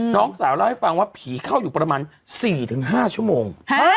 น้องสาวเล่าให้ฟังว่าผีเข้าอยู่ประมาณ๔๕ชั่วโมง